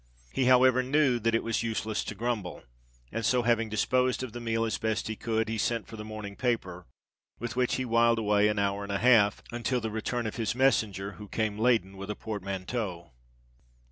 He, however, knew that it was useless to grumble; and so, having disposed of the meal as best he could, he sent for the morning paper, with which he whiled away an hour and a half until the return of his messenger, who came laden with a portmanteau.